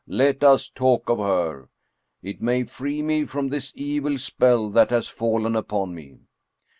" Let us talk of her it may free me from this evil spell that has fallen upon me.